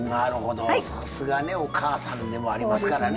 さすがお母さんでもありますからね。